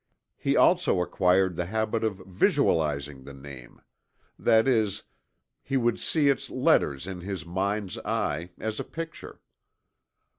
He also acquired the habit of visualizing the name that is, he would see its letters in his mind's eye, as a picture.